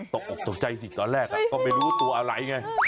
ตกอกตกใจสิตอนแรกก็ไม่รู้ตัวอะไรไง